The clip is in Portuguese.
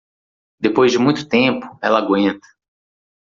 Depois de muito tempo, ela aguenta.